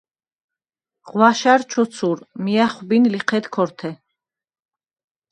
ღვაშა̈რ ჩოცურ, მი ა̈ხვბინ ლიჴედ ქორთე.